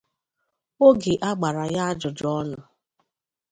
Oge a gbara ya ajụjụọnụ